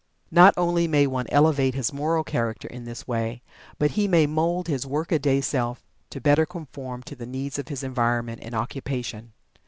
Not only may one elevate his moral character in this way, but he may mould his "work a day" self to better conform to the needs of his environment and occupation.